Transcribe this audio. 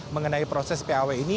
mengenai proses paw ini